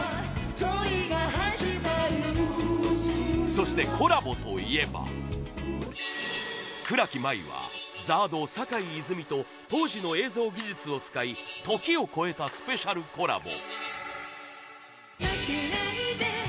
そしてコラボといえば倉木麻衣はＺＡＲＤ坂井泉水と当時の映像技術を使い時を超えたスペシャルコラボ